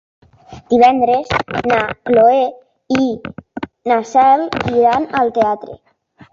Divendres na Cloè i na Cel iran al teatre.